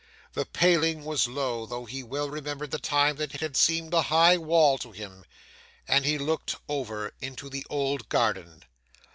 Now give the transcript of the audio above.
The paling was low, though he well remembered the time that it had seemed a high wall to him; and he looked over into the old garden.